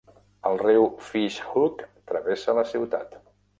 El riu Fish Hook travessa la ciutat.